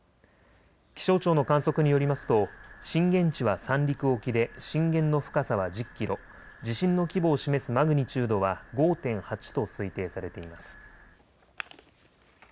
気象庁の観測によりますと震源地は三陸沖で震源の深さは１０キロ、地震の規模を示すマグニチュードは５．８と推定されています。